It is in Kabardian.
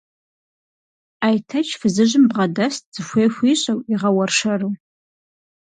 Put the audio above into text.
Айтэч фызыжьым бгъэдэст, зыхуей хуищӀэу, игъэуэршэру.